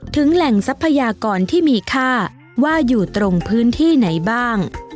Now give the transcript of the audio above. แหล่งทรัพยากรที่มีค่าว่าอยู่ตรงพื้นที่ไหนบ้าง